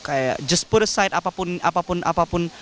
kayak just put aside apapun